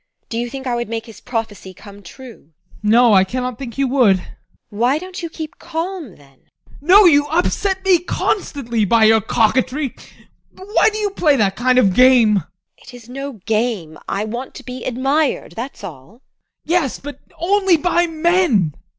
Do you think I would make his prophecy come true? ADOLPH. No, I cannot think you would. TEKLA. Why don't you keep calm then? ADOLPH. No, you upset me constantly by your coquetry. Why do you play that kind of game? TEKLA. It is no game. I want to be admired that's all! ADOLPH. Yes, but only by men!